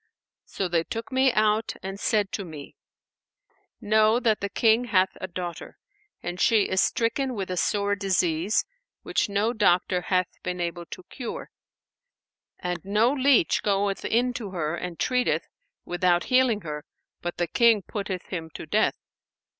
So they took me out and said to me, 'Know that the King hath a daughter, and she is stricken with a sore disease, which no doctor hath been able to cure: and no leach goeth in to her and treateth, without healing her, but the King putteth him to death.